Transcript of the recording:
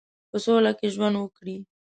په سوله کې ژوند وکړي.